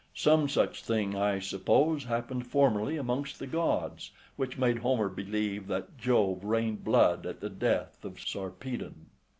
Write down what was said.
Some such thing, I suppose, happened formerly amongst the gods, which made Homer believe that Jove rained blood at the death of Sarpedon.